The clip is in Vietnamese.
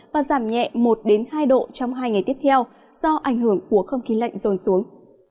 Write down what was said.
và giảm nhẹ một hai độ trong hai ngày tiếp theo do ảnh hưởng của không khí lạnh rồn xuống